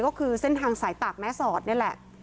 ก็คือเส้นทางสายตากแม่สอดนี่แหละ